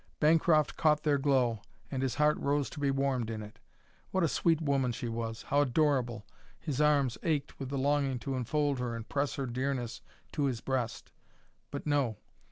Bancroft caught their glow, and his heart rose to be warmed in it. What a sweet woman she was, how adorable! His arms ached with the longing to enfold her and press her dearness to his breast. But no!